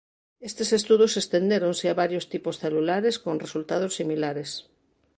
Estes estudos estendéronse a varios tipos celulares con resultados similares.